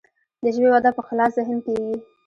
د ژبې وده په خلاص ذهن کیږي.